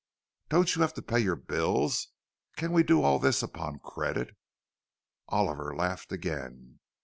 "Don't you have to pay your bills? Can we do all this upon credit?" Oliver laughed again.